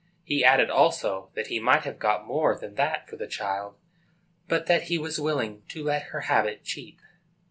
He added, also, that he might have got more than that for the child, but that he was willing to let her have it cheap.